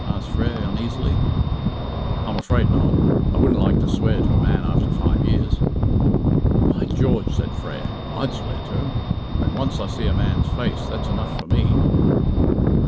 asked Frere uneasily. "I am afraid not. I wouldn't like to swear to a man after five years." "By George," said Frere, "I'd swear to him! When once I see a man's face that's enough for me."